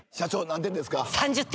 何点ですか？